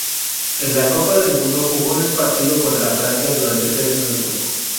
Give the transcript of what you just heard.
En la Copa del Mundo jugó en el partido contra Francia durante tres minutos.